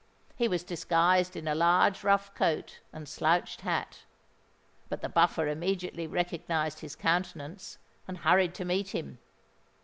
He was disguised in a large rough coat and slouched hat; but the Buffer immediately recognised his countenance, and hurried to meet him.